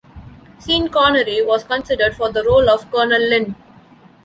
Sean Connery was considered for the role of Colonel Lin.